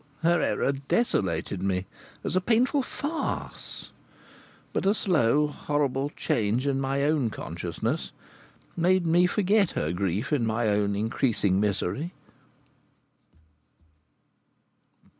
Her error desolated me, as a painful farce. But a slow, horrible change in my own consciousness made me forget her grief in my own increasing misery.